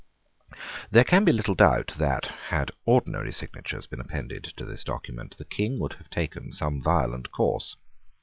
There can be little doubt that, had ordinary signatures been appended to this document, the King would have taken some violent course.